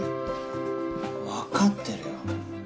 わかってるよ。